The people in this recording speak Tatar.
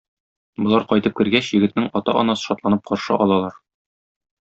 Болар кайтып кергәч, егетнең ата-анасы шатланып каршы алалар.